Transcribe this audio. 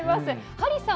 ハリーさん